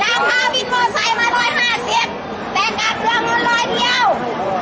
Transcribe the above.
อาหรับเชี่ยวจามันไม่มีควรหยุด